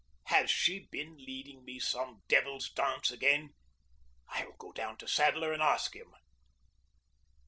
Has she been leading me some devil's dance again? I will go down to Sadler and ask him.